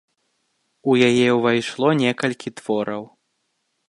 У яе ўвайшло некалькі твораў.